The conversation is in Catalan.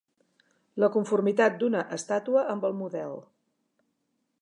La conformitat d'una estàtua amb el model.